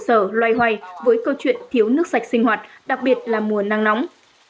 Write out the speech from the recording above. nhiều hộ sở loay hoay với câu chuyện thiếu nước sạch sinh hoạt đặc biệt là mùa năng nóng